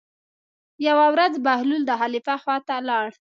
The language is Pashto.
یوه ورځ بهلول د خلیفه خواته لاړ.